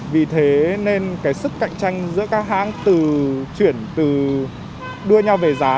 vì thế nên cái sức cạnh tranh giữa các hãng từ chuyển từ đua nhau về giá